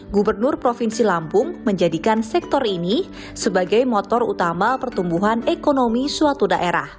gubernur provinsi lampung menjadikan sektor ini sebagai motor utama pertumbuhan ekonomi suatu daerah